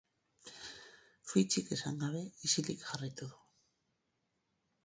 Fitxik esan gabe ixilik jarraitu du.